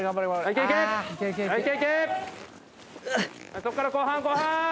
そこから後半後半！